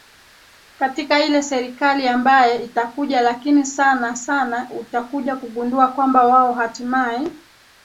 katika ile serikali ambaye itakuja lakini sana sana utakuja kugundua kwamba wao hatimaye